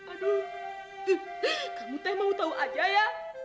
aduh kamu teh mau tahu aja ya